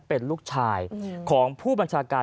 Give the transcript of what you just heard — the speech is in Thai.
เป็นลูกชายของผู้บัญชาการ